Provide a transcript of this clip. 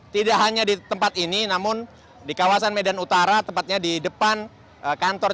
tidak hanya di tempat ini namun di kawasan medan utara tepatnya di depan kantor